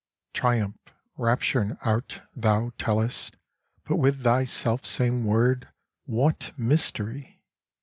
Triumph, rapture and art thou tellest But with thy self same word, what mystery